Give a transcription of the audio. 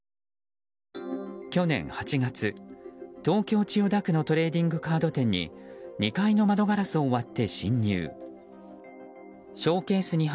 去年８月、東京・千代田区のトレーディングカード店に２階の窓ガラスを割って侵入。